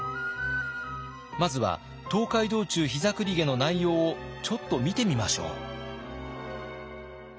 まずは「東海道中膝栗毛」の内容をちょっと見てみましょう。